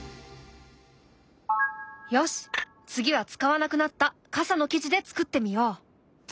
よし次は使わなくなった傘の生地で作ってみよう！